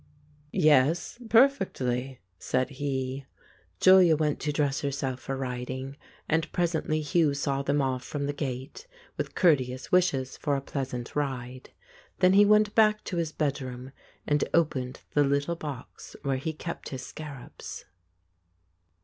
"Yes, perfectly," said he. Julia went to dress herself for riding, and pre sently Hugh saw them off from the gate, with courte ous wishes for a pleasant ride. Then he went back to his bedroom and opened the little box where he kept his scarabs.